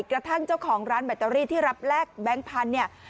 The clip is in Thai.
กระทั่งเจ้าของร้านแบตเตอรี่ที่รับแลกแบงค์พันธุ์เนี่ย